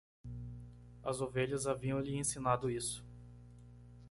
As ovelhas haviam lhe ensinado isso.